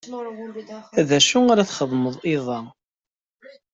D acu ara txedmeḍ iḍ-a?